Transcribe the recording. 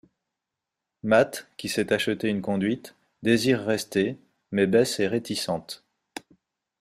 Matt, qui s'est acheté une conduite, désire rester, mais Bess est réticente.